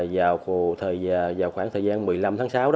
vào khoảng thời gian một mươi năm tháng sáu